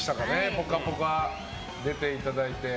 「ぽかぽか」出ていただいて。